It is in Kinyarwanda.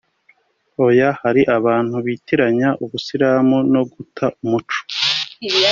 oya hari abantu bitiranya ubusirimu no guta umuco